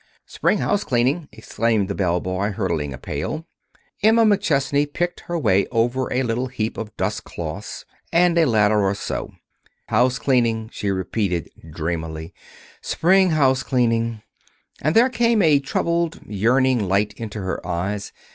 "Spring house cleaning," explained the bellboy, hurdling a pail. Emma McChesney picked her way over a little heap of dust cloths and a ladder or so. "House cleaning," she repeated dreamily; "spring house cleaning." And there came a troubled, yearning light into her eyes.